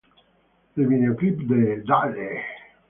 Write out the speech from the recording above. El videoclip de "Dale!